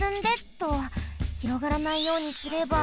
広がらないようにすれば。